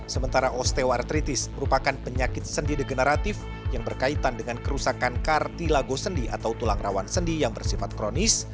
sementara osteoartritis merupakan penyakit sendi degeneratif yang berkaitan dengan kerusakan kartilago sendi atau tulang rawan sendi yang bersifat kronis